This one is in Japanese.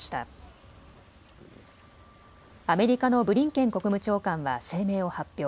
アメリカのブリンケン国務長官は声明を発表。